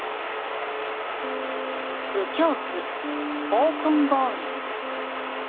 右京区、法金剛院。